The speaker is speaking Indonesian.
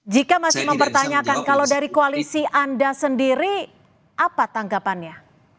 jika masih mempertanyakan kalau dari koalisi anda sendiri apa tanggapannya